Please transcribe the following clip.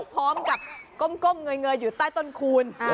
พร้อมกับก้มเงยอยู่ใต้ต้นคูณ